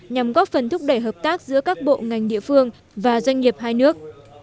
nhằm góp phần thúc đẩy hợp tác giữa các bộ ngành địa phương và doanh nghiệp hai nước